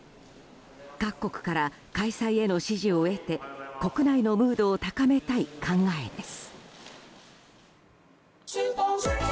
各国から開催への支持を得て国内のムードを高めたい考えです。